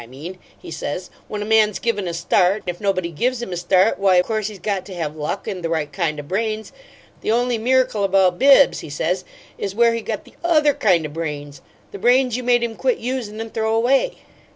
I mean,' he says, 'when a man's given a start. If nobody gives him a start, why, course he's got to have luck AND the right kind o' brains. The only miracle about Bibbs,' he says, 'is where he got the OTHER kind o' brains the brains you made him quit usin' and throw away.'"